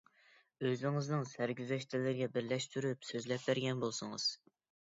ئۆزىڭىزنىڭ سەرگۈزەشتلىرىگە بىرلەشتۈرۈپ سۆزلەپ بەرگەن بولسىڭىز.